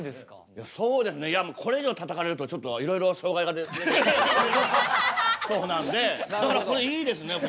いやそうですねいやこれ以上たたかれるとちょっといろいろ障害が出てきそうなんでだからこれいいですね。